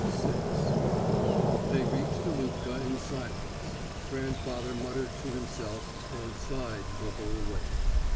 VI They reached Aloopka in silence. Grandfather muttered to himself and sighed the whole way.